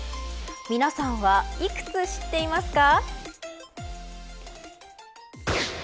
皆さんはいくつ知っていますか。